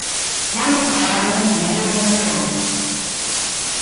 Alle paden liede nei Rome.